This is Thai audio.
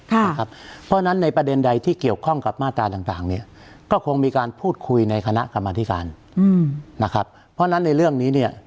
เพราะฉะนั้นในประเด็นใดที่เกี่ยวข้องกับมาตราต่าง